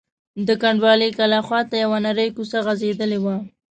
د کنډوالې کلا خواته یوه نرۍ کوڅه غځېدلې وه.